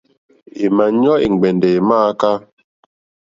È mà ɲɔ́ è ŋgbɛ̀ndɛ̀ è mááká.